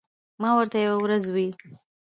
ما ورته یوه ورځ وې ـ